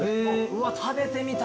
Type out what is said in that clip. うわ食べてみたいな。